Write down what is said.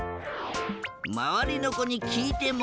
まわりのこにきいても。